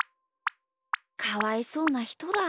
かわいそうなひとだ。